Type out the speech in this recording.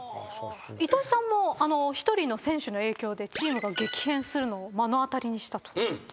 糸井さんも１人の選手の影響でチームが激変するのを目の当たりにしたと。